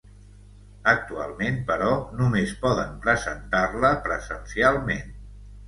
Actualment, però, només poden presentar-la presencialment.